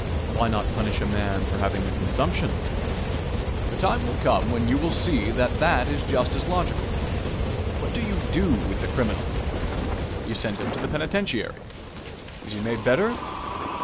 Why not punish a man for having the consumption? The time will come when you will see that that is just as logical. What do you do with the criminal? You send him to the penitentiary. Is he made better?